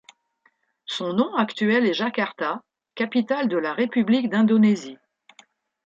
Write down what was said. Son nom actuel est Jakarta, capitale de la République d'Indonésie.